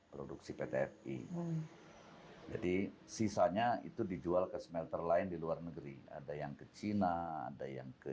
produksi pt fi jadi sisanya itu dijual ke smelter lain di luar negeri ada yang ke cina ada yang ke